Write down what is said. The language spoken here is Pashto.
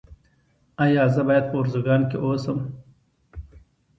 ایا زه باید په ارزګان کې اوسم؟